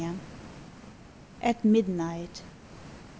AT MIDNIGHT.